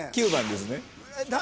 ９番ですね？